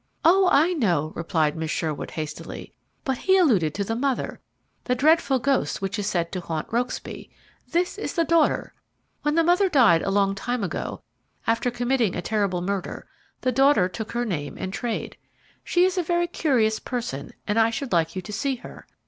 "Oh, I know," replied Miss Sherwood hastily; "but he alluded to the mother the dreadful ghost which is said to haunt Rokesby. This is the daughter. When the mother died a long time ago, after committing a terrible murder, the daughter took her name and trade. She is a very curious person, and I should like you to see her.